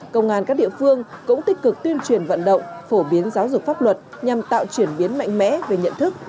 công an các địa phương cũng tích cực tuyên truyền vận động phổ biến giáo dục pháp luật nhằm tạo chuyển biến mạnh mẽ về nhận thức